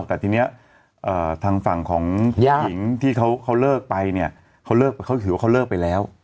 แต่ทีนี้ทางฝั่งของหญิงที่เขาเลิกไปเนี่ยเขาเลิกเขาถือว่าเขาเลิกไปแล้ว